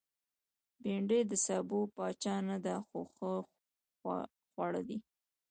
بېنډۍ د سابو پاچا نه ده، خو ښه خوړه ده